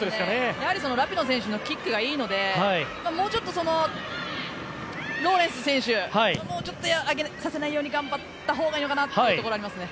やはりラピノ選手のキックがいいのでローレンス選手がもうちょっと上げさせないように頑張ったほうがいいのかなというところはありますね。